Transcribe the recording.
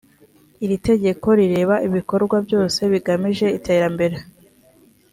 iri tegeko rireba ibikorwa byose bigamije iterambere